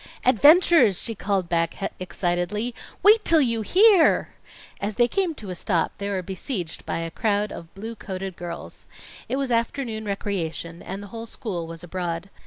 "Adventures!" she called back excitedly. "Wait till you hear!" As they came to a stop, they were besieged by a crowd of blue coated girls. It was afternoon recreation, and the whole school was abroad.